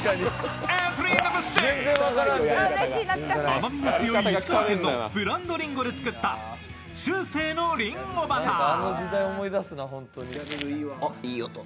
甘みが強い石川県のブランドりんごで作った秋星のりんごバター。